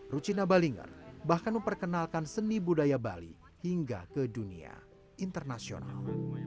rucina balinger bahkan memperkenalkan seni budaya bali hingga ke dunia internasional